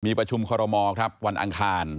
มีประชุมคอรมอลครับวันอังคาร